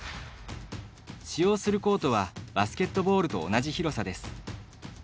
使用するコートはバスケットボールと同じ広さです。